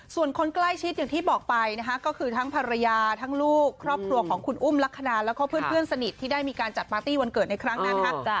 ส่วนคนใกล้ชิดอย่างที่บอกไปนะคะก็คือทั้งภรรยาทั้งลูกครอบครัวของคุณอุ้มลักษณะแล้วก็เพื่อนสนิทที่ได้มีการจัดปาร์ตี้วันเกิดในครั้งนั้นนะคะ